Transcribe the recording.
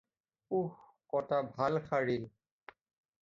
উঃ কটা ভাল সাৰিল।